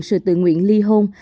sự tự nguyện ly hôn